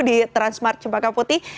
di transmart cempaka putih